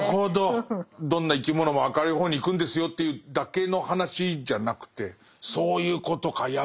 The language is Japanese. どんな生き物も明るい方に行くんですよというだけの話じゃなくてそういうことか。